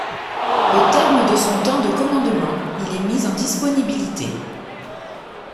Au terme de son temps de commandement il est mis en disponibilité.